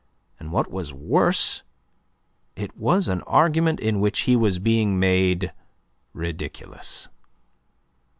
And what was worse, it was an argument in which he was being made ridiculous.